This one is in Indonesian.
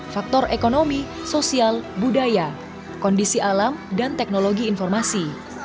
faktor ekonomi sosial budaya kondisi alam dan teknologi informasi